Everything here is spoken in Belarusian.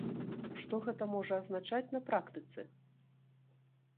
Што гэта можа азначаць на практыцы?